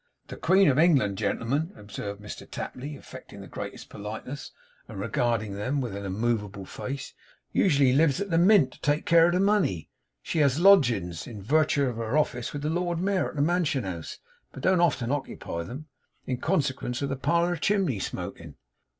'The Queen of England, gentlemen,' observed Mr Tapley, affecting the greatest politeness, and regarding them with an immovable face, 'usually lives in the Mint to take care of the money. She HAS lodgings, in virtue of her office, with the Lord Mayor at the Mansion House; but don't often occupy them, in consequence of the parlour chimney smoking.